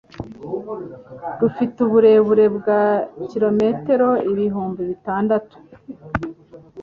rufite uburebure bwa km ibihumbi bitandatatu